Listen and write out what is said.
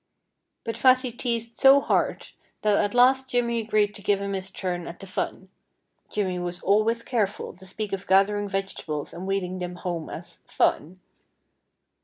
But Fatty teased so hard that at last Jimmy agreed to give him his turn at the fun (Jimmy was always careful to speak of gathering vegetables and wheeling them home as "fun").